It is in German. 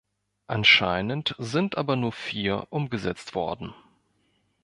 Anscheinend sind aber nur vier umgesetzt worden.